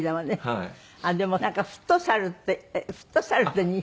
でもなんかフットサルってフットサルっていうのに。